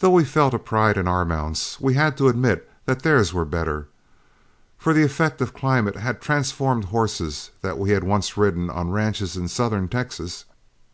Though we felt a pride in our mounts, we had to admit that theirs were better; for the effect of climate had transformed horses that we had once ridden on ranches in southern Texas.